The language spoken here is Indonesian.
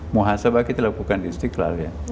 muhaj sabah kita lakukan di istiqlal ya